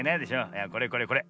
いやこれこれこれ。